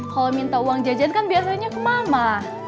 kalau minta uang jajan kan biasanya ke mama